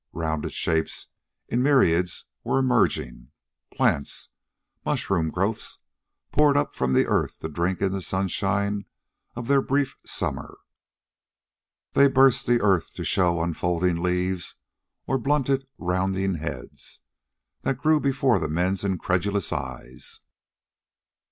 Rounded shapes in myriads were emerging. Plants mushroom growths poured up from the earth to drink in the sunshine of their brief summer. They burst the earth to show unfolding leaves or blunted, rounding heads, that grew before the men's incredulous eyes.